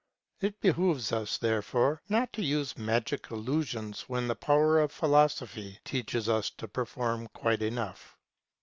It behooves us, therefore, not to use magic illusions when the power of philosophy teaches us to perform quite enough.